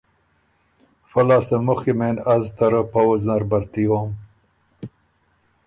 فۀ لاستۀ مخکی مېن از ته رۀ پؤځ نر بهرتی هوم۔